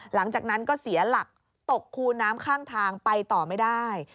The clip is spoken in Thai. หลังจากนั้นก็เสียหลักตกคูน้ำข้างทางไปต่อไม่ได้